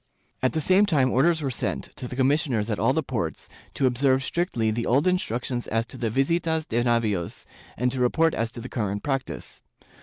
^ At the same time orders were sent, to the commissioners at all the ports, to observe strictly the old instructions as to the visitas de navios and to report as to the current practice.